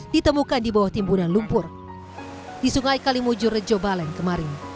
ditemukan di bawah timbunan lumpur di sungai kalimujur rejo balen kemarin